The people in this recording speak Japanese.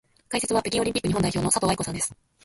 解説は北京オリンピック日本代表の佐藤愛子さんです。